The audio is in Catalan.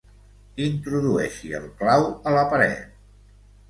Introdueixi el clau a la paret.